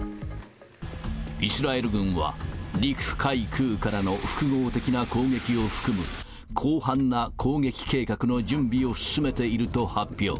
イスラエル軍は、陸海空からの複合的な攻撃を含む広範な攻撃計画の準備を進めていると発表。